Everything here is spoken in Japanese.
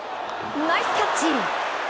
ナイスキャッチ！